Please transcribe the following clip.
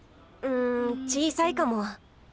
うん小さいかも。